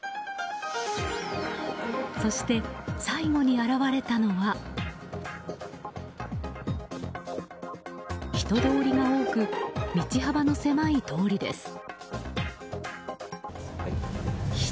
そして、最後に現れたのは人通りが多く道幅の狭い通りです。